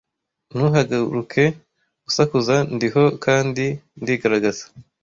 ntugahaguruke usakuza ndiho kandi ndigaragaza